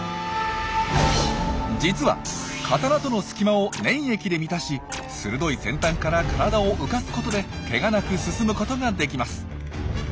実は刀との隙間を粘液で満たし鋭い先端から体を浮かすことでケガなく進むことができます。